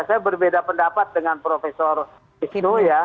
saya berbeda pendapat dengan profesor isno ya